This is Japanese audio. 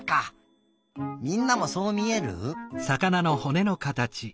みんなもそうみえる？